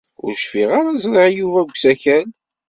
Ur cfiɣ ara ẓriɣ Yuba deg usakal.